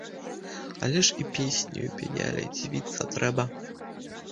Але ж і песню пяялі, дзівіцца трэба.